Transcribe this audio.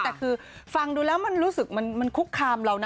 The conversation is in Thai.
แต่คือฟังดูแล้วมันรู้สึกมันคุกคามเรานะ